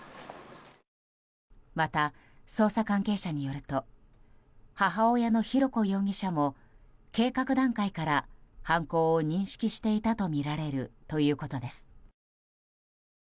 また、捜査関係者によると母親の浩子容疑者も計画段階から犯行を認識していたとみられるということです。